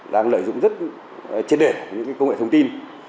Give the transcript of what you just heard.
đang lợi dụng rất trên để những công nghệ thông tin